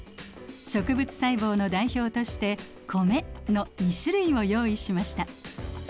植物細胞の代表として米の２種類を用意しました。